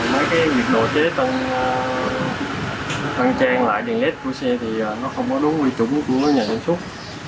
mấy cái việc đồ chế tăng trang lại đèn led của xe thì nó không có đúng quy trung của nhà sản xuất